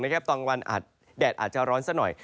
กลางวันอาจแดดอาจจะร้อนซะหน่อย